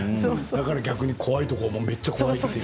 だから怖いところはめっちゃ怖い。